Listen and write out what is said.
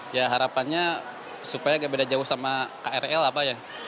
ya harapannya supaya agak beda jauh sama krl apa ya